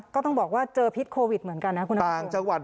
ก็ต้องบอกว่าเจอพิษโควิดเหมือนกันนะคุณต่างจังหวัด